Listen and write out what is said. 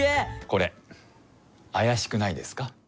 これあやしくないですか？